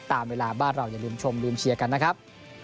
ตามเวลาบ้านเราอย่าลืมชมลืมเชียร์กันนะครับ